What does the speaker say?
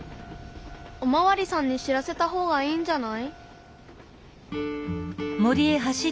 おまわりさんに知らせた方がいいんじゃない？